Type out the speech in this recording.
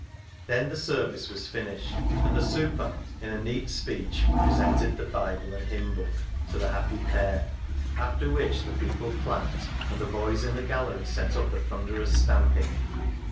Then the service was finished, and the " super," in a neat speech, presented the Bible and Hymn Book to the happy pair, after which the people clapped, and the boys in the gallery set up a thunderous stamping.